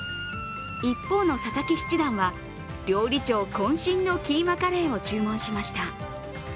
一方の佐々木七段は料理長こん身のキーマカレーを注文しました。